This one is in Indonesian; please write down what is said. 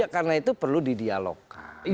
karena itu perlu di dialogkan